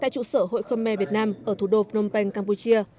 tại trụ sở hội khơm mê việt nam ở thủ đô phnom penh campuchia